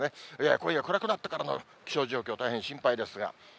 今夜、暗くなってからの気象状況、大変心配ですが。